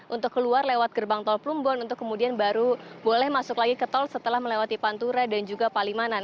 untuk keluar lewat gerbang tol plumbon untuk kemudian baru boleh masuk lagi ke tol setelah melewati pantura dan juga palimanan